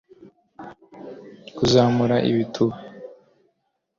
kuzamura ibituba